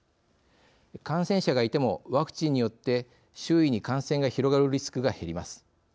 感染者がいてもワクチンによって周囲に感染が広がるリスクが減ります。